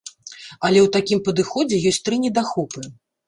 Але ў такім падыходзе ёсць тры недахопы.